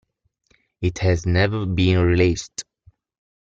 It has never been released.